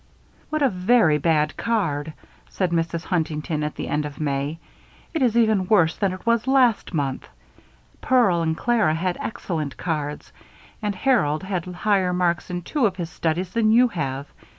"What a very bad card!" said Mrs. Huntington, at the end of May. "It is even worse than it was last month. Pearl and Clara had excellent cards and Harold had higher marks in two of his studies than you have.